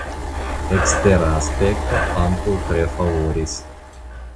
Ekstera aspekto ankaŭ tre favoris.